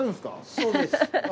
そうです。